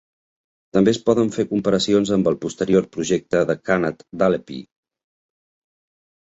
També es poden fer comparacions amb el posterior projecte de Khanate d'Alleppey.